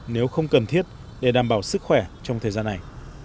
nếu không cần thiết để đảm bảo sức khỏe trong thời gian này